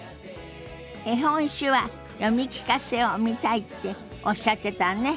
「絵本手話読み聞かせ」を見たいっておっしゃってたわね。